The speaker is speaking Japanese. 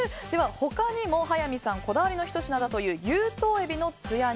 他にも、速水さんこだわりのひと品だという有頭海老の艶煮。